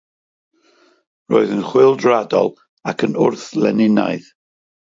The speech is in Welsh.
Roedd yn chwyldroadol ac yn wrth-Leninaidd.